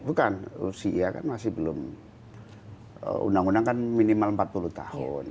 bukan rusia kan masih belum undang undang kan minimal empat puluh tahun